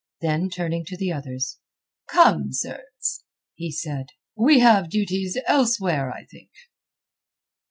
Then turning to the others: "Come, sirs," he said, "we have duties elsewhere, I think."